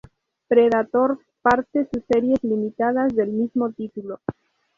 Predator parte sus series limitadas del mismo título.